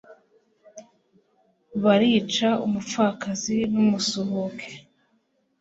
barica umupfakazi n'umusuhuke